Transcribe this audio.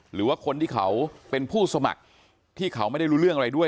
หรือว่าคนที่เขาเป็นผู้สมัครที่เขาไม่ได้รู้เรื่องอะไรด้วย